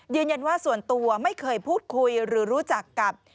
ยืนยันว่าส่วนตัวไม่เคยพูดคุยหรือรู้จักกับ